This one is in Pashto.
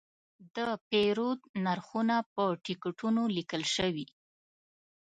د پیرود نرخونه په ټکټونو لیکل شوي.